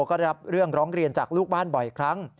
ก็ได้รับเรื่องร้องเรียนจากลูกบ้านบ่อยครั้ง